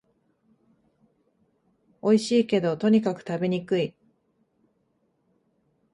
おいしいけど、とにかく食べにくい